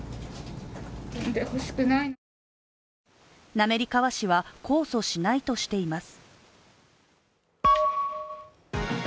滑川市は控訴しないとしています。